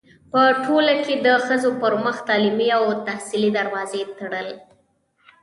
پـه ټـولـه کـې د ښـځـو پـر مـخ تـعلـيمي او تحصـيلي دروازې تــړل.